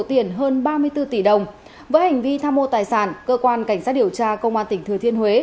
tiền hơn ba mươi bốn tỷ đồng với hành vi tham mô tài sản cơ quan cảnh sát điều tra công an tỉnh thừa thiên huế